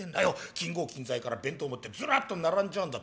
近郷近在から弁当持ってずらっと並んじゃうんだ。